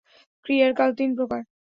ক্রিয়ার কাল তিন প্রকার।